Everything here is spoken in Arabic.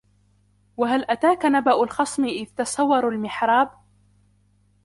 وهل أتاك نبأ الخصم إذ تسوروا المحراب